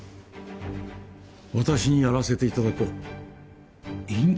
私にやらせていただこう。